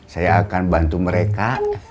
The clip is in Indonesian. saya akan bantu mereka